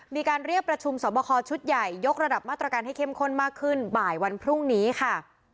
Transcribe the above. มีการเรียกประชุมสอบคอชุดใหญ่ยกระดับมาตรการให้เข้มข้นมากขึ้นบ่ายวันพรุ่งนี้ค่ะ